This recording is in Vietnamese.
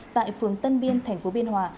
tại phương tân biên tp biên hòa